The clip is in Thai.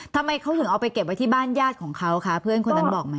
ทำไมเขาถึงเอาไปเก็บไว้ที่บ้านญาติของเขาคะเพื่อนคนนั้นบอกไหม